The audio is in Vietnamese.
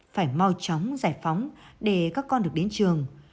phải mau chóng giải phóng để các con được đến trường